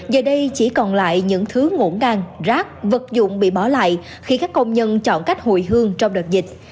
giờ đây chỉ còn lại những thứ ngỗ ngang rác vật dụng bị bỏ lại khi các công nhân chọn cách hồi hương trong đợt dịch